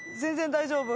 大丈夫？